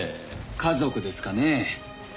家族ですかね？